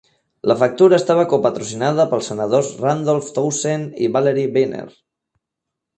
La factura estava copatrocinada pels senadors Randolph Townsend i Valerie Wiener.